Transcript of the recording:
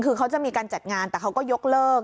คือเขาจะมีการจัดงานแต่เขาก็ยกเลิก